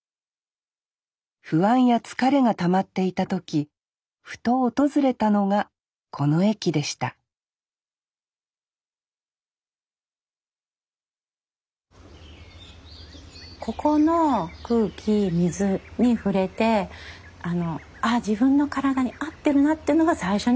不安や疲れがたまっていた時ふと訪れたのがこの駅でしたここの空気水に触れてあ自分の体に合ってるなっていうのが最初に感じたところです。